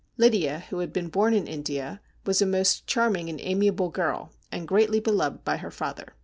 Lydia, who had been born in India, was a most charming and amiable girl, and greatly beloved by her father.